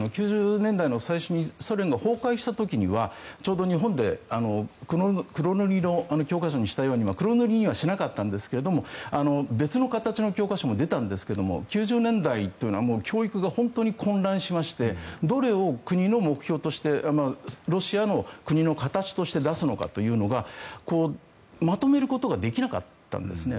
９０年代の最初にソ連が崩壊した時にはちょうど日本で黒塗りの教科書にしたように黒塗りにはしなかったんですが別の形の教科書も出たんですが９０年代というのは教育が本当に混乱しましてどれを国の目標としてロシアの国の形として出すのかというのがまとめることができなかったんですね。